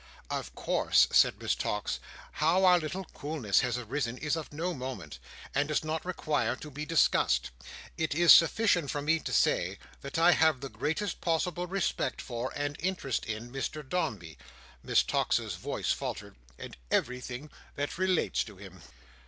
"Of course," said Miss Tox, "how our little coolness has arisen is of no moment, and does not require to be discussed. It is sufficient for me to say, that I have the greatest possible respect for, and interest in, Mr Dombey;" Miss Tox's voice faltered; "and everything that relates to him."